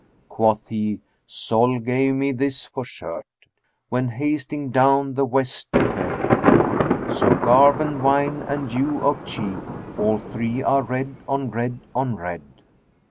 Quoth he, 'Sol gave me this for shirt * When hasting down the West to bed So garb and wine and hue of cheek * All three are red on red on red.'"